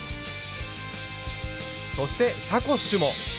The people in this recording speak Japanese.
そして「サコッシュ」も。